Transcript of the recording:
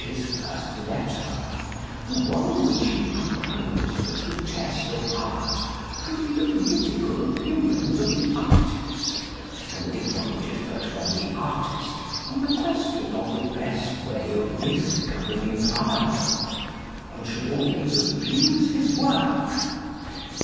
's" first letter the one in which he proposed that the test of art should be the political opinions of the artist, and that if one differed from the artist on the question of the best way of mis governing Ireland, one should always abuse his work.